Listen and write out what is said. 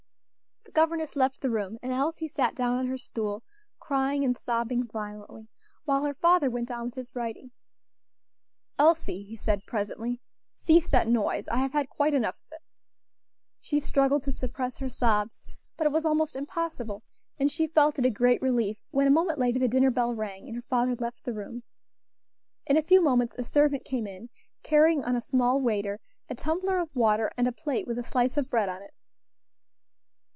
The governess left the room, and Elsie sat down on her stool, crying and sobbing violently, while her father went on with his writing. "Elsie," he said, presently, "cease that noise; I have had quite enough of it." She struggled to suppress her sobs, but it was almost impossible, and she felt it a great relief when a moment later the dinner bell rang, and her father left the room. In a few moments a servant came in, carrying on a small waiter a tumbler of water, and a plate with a slice of bread on it.